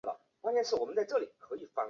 萨夫洛。